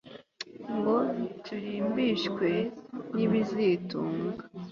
ngo turimbishwe n'ibizitunga